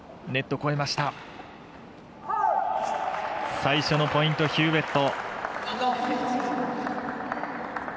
最初のポイント、ヒューウェット。